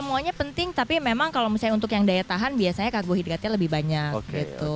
semuanya penting tapi memang kalau misalnya untuk yang daya tahan biasanya karbohidratnya lebih banyak gitu